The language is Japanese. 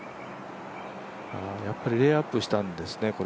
やっぱりレイアップしたんですね。